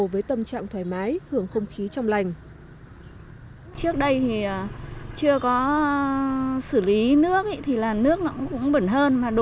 với tâm trạng thoải mái hưởng không khí trong lành